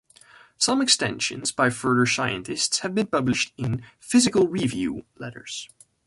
Some extensions by further scientists have been published in "Physical Review" Letters.